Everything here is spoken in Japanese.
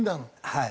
はい。